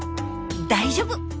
大丈夫！